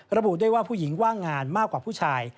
ระบุด้วยว่าผู้หญิงว่างงานมากกว่าผู้ชาย